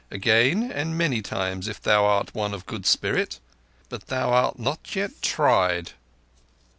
"Again, and many times, if thou art one of good spirit. But thou art not yet tried."